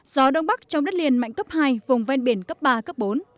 gió đông bắc trong đất liền mạnh cấp hai vùng ven biển cấp ba cấp bốn